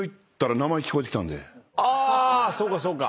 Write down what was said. あそうかそうか。